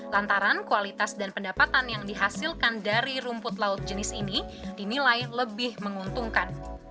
lantaran kualitas dan pendapatan yang dihasilkan dari rumput laut jenis ini dinilai lebih menguntungkan